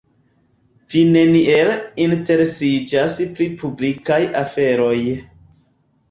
Vi neniel interesiĝas pri publikaj aferoj.